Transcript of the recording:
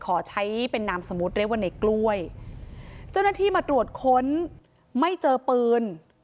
ขอใช้เป็นนามสมมุติเรียกว่าในกล้วยเจ้าหน้าที่มาตรวจค้นไม่เจอปืน